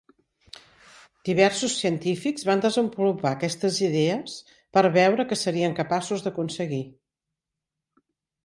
Diversos científics van desenvolupar aquestes idees, per veure que serien capaços d’aconseguir.